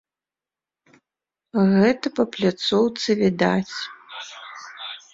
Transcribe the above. Гэта па пляцоўцы відаць.